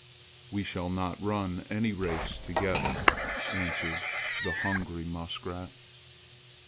We shall not run any race together," answered the hungry muskrat.